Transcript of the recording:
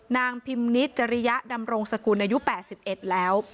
นางพิมณิชย์จริยะฑดำรงสคุณอายุ๘๑แล้ว